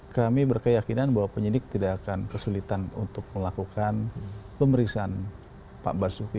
kami berkeyakinan bahwa penyidik tidak akan kesulitan untuk melakukan pemeriksaan pak basuki